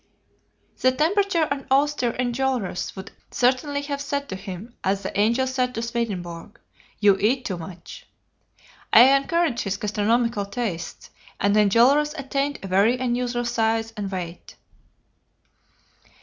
The temperate and austere Enjolras would certainly have said to him, as the angel said to Swedenborg, 'You eat too much.' I encouraged his gastronomical tastes, and Enjolras attained a very unusual size and weight.